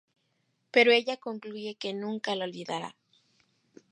Pero ella concluye que nunca lo olvidará.